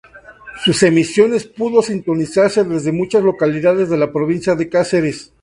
Sus emisión pudo sintonizarse desde muchas localidades de la provincia de Cáceres.